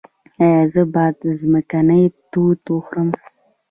ایا زه باید ځمکنۍ توت وخورم؟